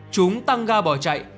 chúng tăng ga bỏ chạy